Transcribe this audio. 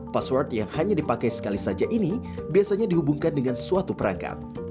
password yang hanya dipakai sekali saja ini biasanya dihubungkan dengan suatu perangkat